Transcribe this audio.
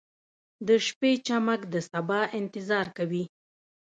• د شپې چمک د سبا انتظار کوي.